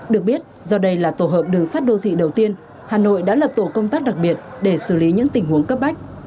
được biết do đây là tổ hợp đường sắt đô thị đầu tiên hà nội đã lập tổ công tác đặc biệt để xử lý những tình huống cấp bách